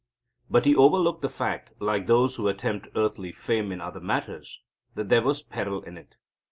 But he overlooked the fact, like those who attempt earthly fame in other matters, that there was peril in it.